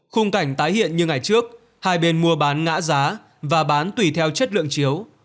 khung cảnh tái hiện như ngày trước hai bên mua bán ngã giá và bán tùy theo chất lượng chiếu